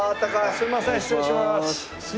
すいません失礼します。